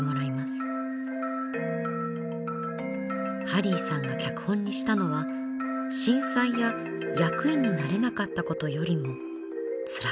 ハリーさんが脚本にしたのは震災や役員になれなかったことよりもつらかったこと。